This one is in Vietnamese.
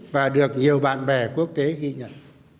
và được nhiều bạn bè quốc tế ghi nhận